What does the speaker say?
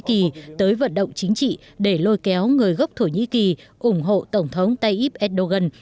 nhĩ kỳ tới vận động chính trị để lôi kéo người gốc thổ nhĩ kỳ ủng hộ tổng thống tayyip erdogan